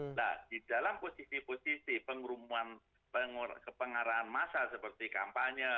nah di dalam posisi posisi pengaruhan pengaruhan massa seperti kampanye